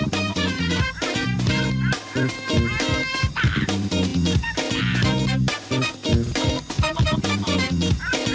โปรดติดตามต่อไป